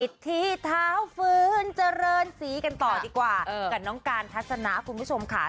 ที่เท้าฟื้นเจริญศรีกันต่อดีกว่ากับน้องการทัศนะคุณผู้ชมค่ะ